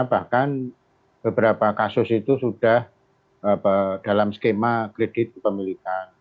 bahkan beberapa kasus itu sudah dalam skema kredit kepemilikan